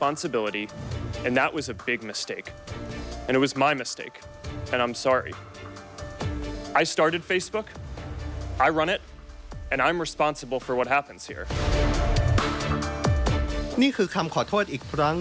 นี่คือคำขอโทษอีกครั้ง